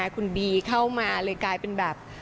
คุณบีเข้ามาเลยกลายเป็นแบบ